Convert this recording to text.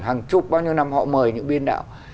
hàng chục bao nhiêu năm họ mời những biên đạo